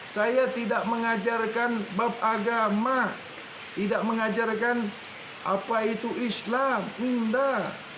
saya tidak mengajarkan bab agama tidak mengajarkan apa itu islam bunda